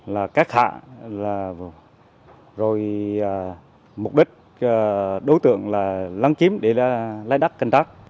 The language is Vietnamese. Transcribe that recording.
là cát hạ rồi mục đích đối tượng là lấn chiếm để lái đắt canh tác